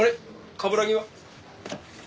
冠城は？